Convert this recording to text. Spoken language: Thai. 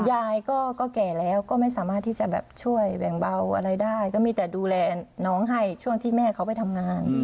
ยายก็แก่แล้วก็ไม่สามารถที่จะแบบช่วยแบ่งเบาอะไรได้ก็มีแต่ดูแลน้องให้ช่วงที่แม่เขาไปทำงาน